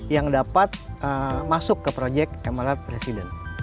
yang dapat masuk ke proyek mlr residence